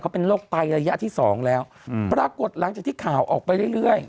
เป็นโรคไตระยะที่สองแล้วอืมปรากฏหลังจากที่ข่าวออกไปเรื่อยเรื่อย